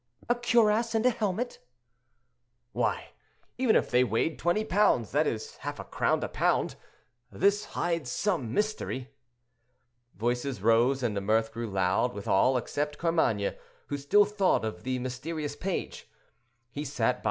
"A cuirass and a helmet." "Why, even if they weighed twenty pounds, that is half a crown a pound. This hides some mystery." Voices rose, and the mirth grew loud with all, except Carmainges, who still thought of the mysterious page. He sat by M.